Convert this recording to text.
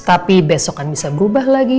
tapi besok kan bisa berubah lagi